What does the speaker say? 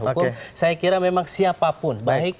hukum saya kira memang siapapun baik